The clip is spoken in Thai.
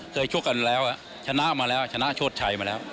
ชกกันแล้วชนะมาแล้วชนะโชชัยมาแล้ว